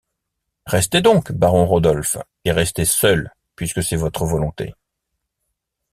Restez donc, baron Rodolphe, et restez seul, puisque c’est votre volonté.